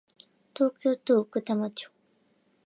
東京都奥多摩町